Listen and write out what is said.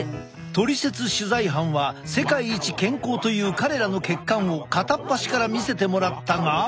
トリセツ取材班は世界一健康という彼らの血管を片っ端から見せてもらったが。